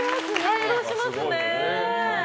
感動しますね。